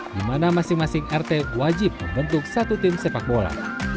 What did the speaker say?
di mana masing masing rt wajib membentuk satu tim sepak bola